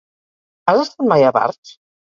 Has estat mai a Barx?